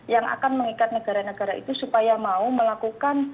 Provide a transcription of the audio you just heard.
yang akan mengikat negara negara itu supaya mau melakukan